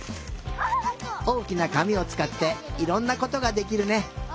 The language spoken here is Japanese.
おおきなかみをつかっていろんなことができるね。